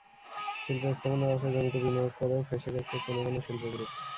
শিল্প স্থাপনের আশায় জমিতে বিনিয়োগ করেও ফেঁসে গেছে কোনো কোনো শিল্প গ্রুপ।